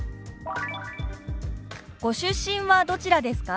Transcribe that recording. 「ご出身はどちらですか？」。